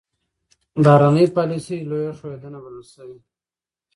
بهرنۍ پالیسي لویه ښوېېدنه بلل شوه.